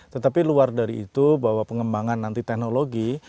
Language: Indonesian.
tetapi luar dari itu bahwa pengembangan nanti teknologi